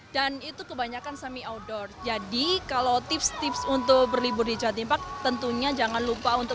dan itu kebanyakan semi outdoor jadi kalau tips untuk berlibur disks tentunya jangan lupa untuk